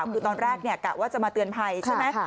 คือตอนแรกกะว่าจะมาเตือนภัยใช่ไหม